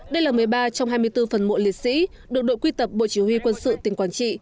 đây là một mươi ba trong hai mươi bốn phần mộ liệt sĩ được đội quy tập bộ chỉ huy quân sự tỉnh quảng trị